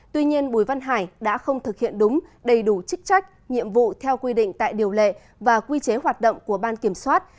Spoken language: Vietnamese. tuy nhiên bùi văn hải đã không thực hiện đúng đầy đủ trích trách nhiệm vụ theo quy định tại điều lệ và quy chế hoạt động của ban kiểm soát